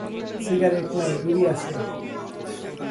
Cigarette নাই, বিড়ি আছে।